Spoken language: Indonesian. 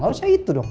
harusnya itu dong